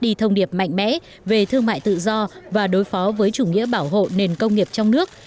đi thông điệp mạnh mẽ về thương mại tự do và đối phó với chủ nghĩa bảo hộ nền công nghiệp trong nước